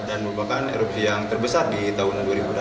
dan merupakan erupsi yang terbesar di tahun dua ribu delapan belas